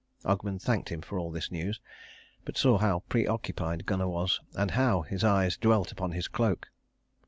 Ogmund thanked him for all this news; but saw how preoccupied Gunnar was, and how his eyes dwelt upon his cloak.